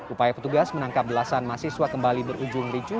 upaya petugas menangkap belasan mahasiswa kembali berujung ricu